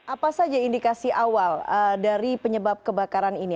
apa saja indikasi awal dari penyebab kebakaran ini